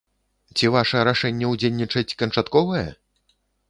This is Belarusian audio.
Ці ваша рашэнне ўдзельнічаць канчатковае?